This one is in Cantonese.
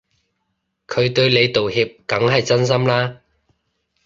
佢對你道歉梗係真心啦